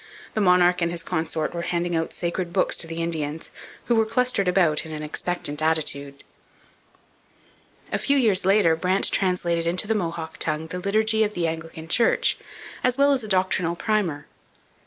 The monarch and his consort were handing sacred books to the Indians, who were clustered about in an expectant attitude. A few years later Brant translated into the Mohawk tongue the Liturgy of the Anglican Church as well as a doctrinal primer.